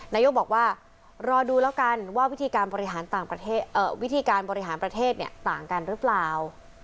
นายกบอกว่ารอดูแล้วกันว่าวิธีการบริหารประเทศต่างกันหรือเปล่า